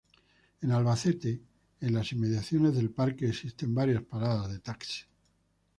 En Albacete, en las inmediaciones del parque, existen varias paradas de taxi.